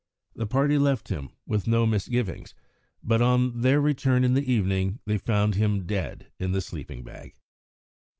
The party left him with no misgivings, but on their return in the evening they found him dead in the sleeping bag.